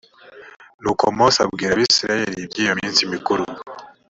nuko mose abwira abisirayeli iby’iyo minsi mikuru